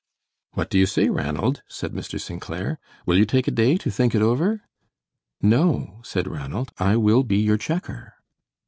"What do you say, Ranald?" said Mr. St. Clair. "Will you take a day to think it over?" "No," said Ranald; "I will be your checker."